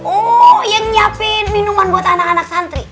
oh yang nyiapin minuman buat anak anak santri